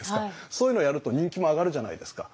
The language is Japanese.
そういうのをやると人気も上がるじゃないですか。